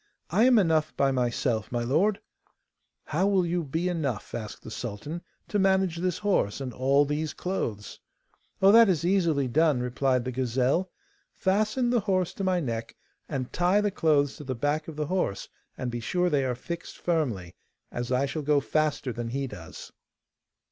I am enough by myself, my lord.' 'How will you be enough,' asked the sultan, 'to manage this horse and all these clothes?' 'Oh, that is easily done,' replied the gazelle. 'Fasten the horse to my neck and tie the clothes to the back of the horse, and be sure they are fixed firmly, as I shall go faster than he does.